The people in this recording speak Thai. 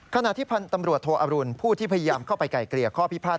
ขณะที่พันธ์ตำรวจโทอรุณผู้ที่พยายามเข้าไปไกลเกลี่ยข้อพิพาท